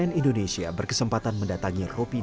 sebelas orang beena untuk selesai berjaya pembangunan tikfan